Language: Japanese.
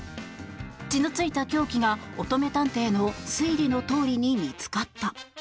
血のついた凶器が乙女探偵の推理のとおりに見つかった。